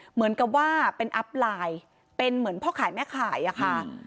เหมือนกับว่าเป็นอัพไลน์เป็นเหมือนพ่อขายแม่ขายอะค่ะ